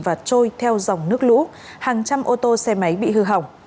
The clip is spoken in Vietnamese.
mưa lũ đã trôi theo dòng nước lũ hàng trăm ô tô xe máy bị hư hỏng